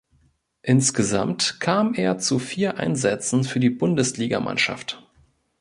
Insgesamt kam er zu vier Einsätzen für die Bundesligamannschaft.